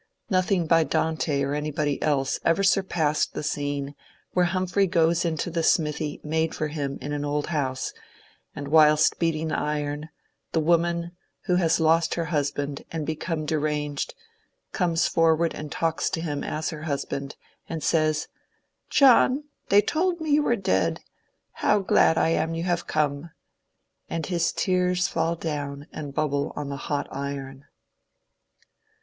Nothing by Dante or anybody else ever surpassed the scene where Humphrey £:oes into the smithy made for him in an old house, and whilst beating the iron, the woman, who has lost her husband and become de ranged, comes forward and talks to him as her husband and says, " John, they told me you were dead, — how glad I am you have come," — and his tears fall down and bubble on the hot iron.